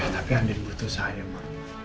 tapi andirin butuh saya ma